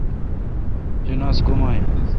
جناز کوما این۔